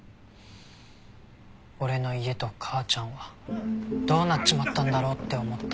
俺の家と母ちゃんはどうなっちまったんだろうって思った。